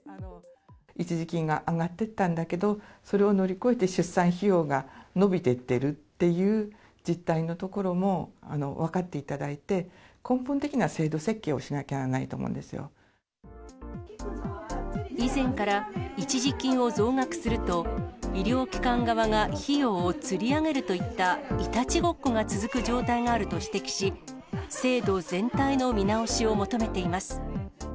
一時金が上がっていったんだけど、それを乗り越えて出産費用が伸びていってるっていう実態のところも、分かっていただいて、根本的な制度設計をしなきゃなら以前から一時金を増額すると、医療機関側が費用をつり上げるといった、いたちごっこが続く状態があると指摘し、制度全体の見直しを求めています。